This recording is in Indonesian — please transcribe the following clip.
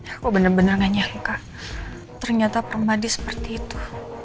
aku bener bener nggak nyangka ternyata permadi seperti itu